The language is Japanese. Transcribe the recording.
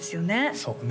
そうね